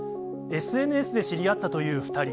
ＳＮＳで知り合ったという２人。